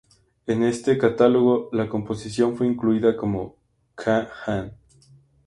En este catálogo, la composición fue incluida como K. Anh.